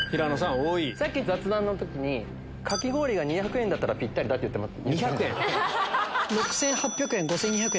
さっき雑談の時にかき氷が２００円だったらピッタリだって言ってた。